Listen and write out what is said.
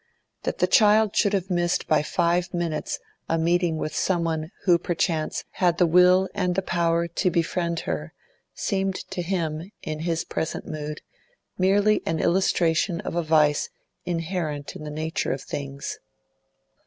That the child should have missed by five minutes a meeting with someone who perchance had the will and the power to befriend her, seemed to him, in his present mood, merely an illustration of a vice inherent in the nature of things.